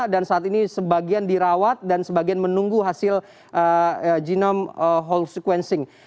dan saat ini sebagian dirawat dan sebagian menunggu hasil genome whole sequencing